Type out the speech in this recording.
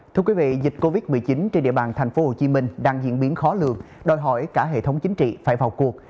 thưa quý vị dịch covid một mươi chín trên địa bàn tp hcm đang diễn biến khó lường đòi hỏi cả hệ thống chính trị phải vào cuộc